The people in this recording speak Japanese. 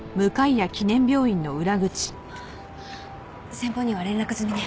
先方には連絡済みね？